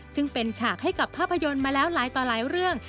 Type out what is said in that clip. ซึ่งเป็นฉากให้กับภาพยนตร์มาแล้วหลายต่อหลายเรื่อง